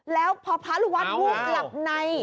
แล้วพระลูกวาสวูบกลับใน